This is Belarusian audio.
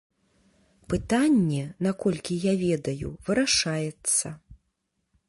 Пытанне, наколькі я ведаю, вырашаецца.